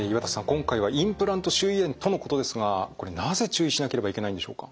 今回はインプラント周囲炎とのことですがこれなぜ注意しなければいけないんでしょうか？